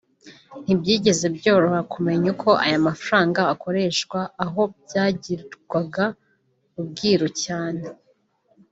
ntibyigeze byoroha kumenya uko aya mafaranga akoreshwa; aho byagirwaga ubwiru cyane